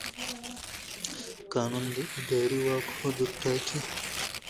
قانون د اداري واک حدود ټاکي.